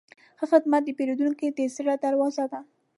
ښه خدمت د پیرودونکي د زړه دروازه ده.